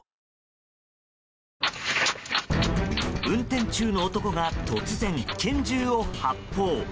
運転中の男が突然拳銃を発砲。